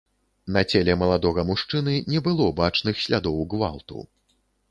На целе маладога мужчыны не было бачных слядоў гвалту.